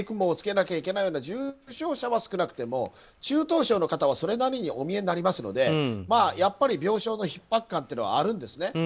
ＥＣＭＯをつけなきゃいけないような重症者は少なくても中等症の方はそれなりにお見えになりますのでやっぱり病床のひっ迫感はあるんですね。